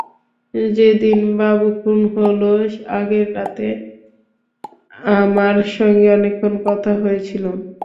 যেদিন বাবু খুন হলো, আগের রাতে আমার সঙ্গে অনেকক্ষণ কথা হয়েছিল।